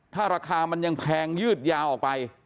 ถ้าราคามันยังแพงยืดยาวออกไป